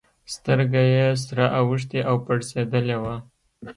سترگه يې سره اوښتې او پړسېدلې وه.